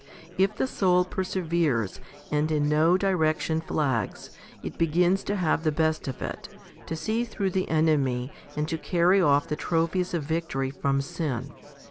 If the soul perseveres and in no direction flags, it begins to have the best of it, to see through the enemy, and to carry off the trophies of victory from sin.